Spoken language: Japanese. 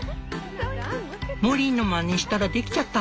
「モリーのまねしたらできちゃった。